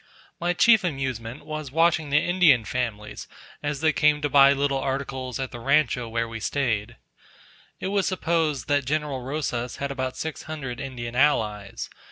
My chief amusement was watching the Indian families as they came to buy little articles at the rancho where we stayed. It was supposed that General Rosas had about six hundred Indian allies.